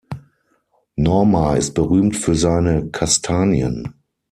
Norma ist berühmt für seine Kastanien.